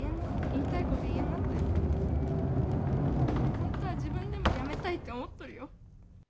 本当は自分でもやめたいって思っとるよ。